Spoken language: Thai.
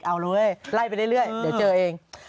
เอาเลยไล่ไปเรื่อยเดี๋ยวเจอเอง